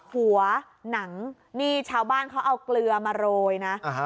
หัวหนังนี่ชาวบ้านเขาเอาเกลือมาโรยนะ